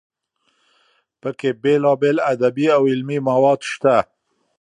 پکې بېلابېل ادبي او علمي مواد شته.